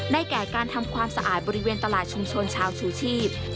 แก่การทำความสะอาดบริเวณตลาดชุมชนชาวชูชีพ